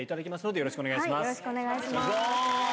よろしくお願いします。